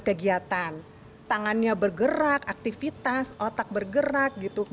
hai apa yang ketop holding